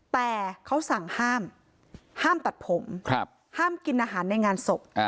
แต่เขาสั่งห้ามห้ามตัดผมห้ามกินอาหารในงานศพ